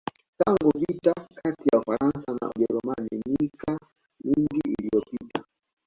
Tangu vita kati ya Ufaransa na Ujerumani mika mingi iliyopita